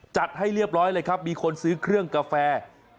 ให้เรียบร้อยเลยครับมีคนซื้อเครื่องกาแฟ